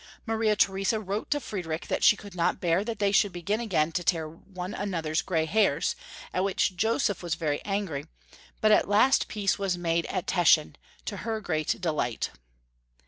Maria Theresa wrote to Friediich that she could not bear that they should begin again to tear one another's 418 Young Folk»^ History of Grermany. • grey hairs, at which Joseph was very angry, but at last peace was made at Teschen, to her great de Ught.